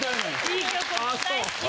いい曲大好き。